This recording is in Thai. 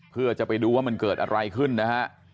เพื่อจะไปดูว่ามันเกิดอะไรขึ้นนะฮะ